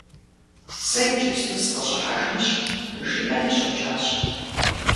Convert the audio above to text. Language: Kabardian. - Сэ иджыпсту сыкъыщӀыхьэжынщ, – жиӀэри щӀэкӀащ.